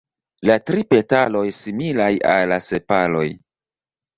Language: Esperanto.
La tri petaloj similaj al la sepaloj.